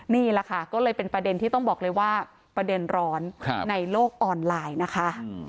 นี่แหละค่ะก็เลยเป็นประเด็นที่ต้องบอกเลยว่าประเด็นร้อนในโลกออนไลน์นะคะ